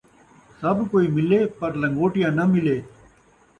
سب کئی ملے پر لن٘گوٹیا ناں ملے